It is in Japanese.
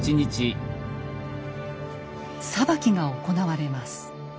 裁きが行われます。